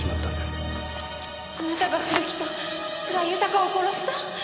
あなたが古木と白井豊を殺した？